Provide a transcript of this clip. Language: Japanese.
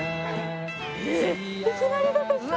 いきなり出てきた！